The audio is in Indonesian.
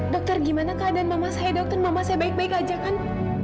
dokter gimana keadaan mama saya dokter mama saya baik baik aja kan